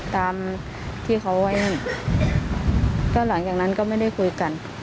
ตามที่เขาไว้นั่นก็หลังจากนั้นก็ไม่ได้คุยกัน